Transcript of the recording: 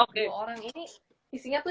dua orang ini isinya tuh